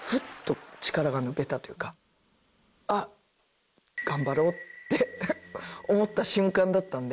あっ頑張ろうって思った瞬間だったんで。